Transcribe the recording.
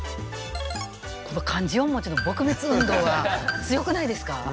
この漢字４文字の「撲滅運動」は強くないですか？